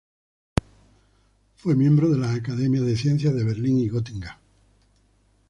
Fue miembro de las academias de ciencias de Berlín y Gotinga.